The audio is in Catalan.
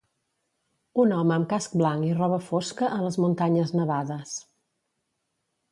Un home amb casc blanc i roba fosca a les muntanyes nevades.